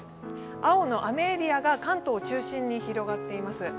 青の雨エリアが関東中心に広がっています。